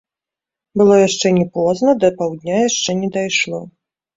Было яшчэ не позна, да паўдня яшчэ не дайшло.